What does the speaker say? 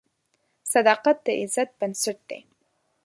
صداقت د عزت بنسټ دی.